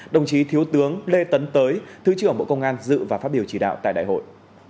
đồng chí thiếu tướng lê tấn tới thứ trưởng bộ công an dự và phát biểu chỉ đạo tại đại hội